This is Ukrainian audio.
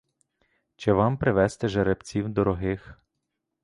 Чи вам привести жеребців дорогих!